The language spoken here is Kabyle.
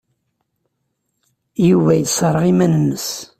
Yuba yesserɣ iman-nnes.